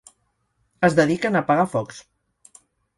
Es dediquen a apagar focs.